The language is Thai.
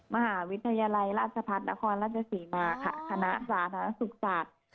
มหาวิทยาลัยราชพัฒนครราชศรีมาค่ะคณะสาธารณสุขศาสตร์